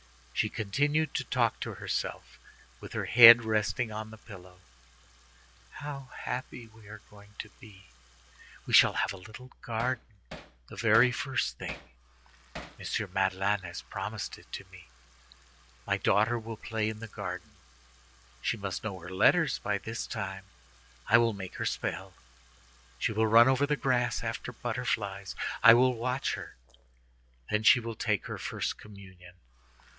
She continued to talk to herself, with her head resting on the pillow: "How happy we are going to be! We shall have a little garden the very first thing; M. Madeleine has promised it to me. My daughter will play in the garden. She must know her letters by this time. I will make her spell. She will run over the grass after butterflies. I will watch her. Then she will take her first communion.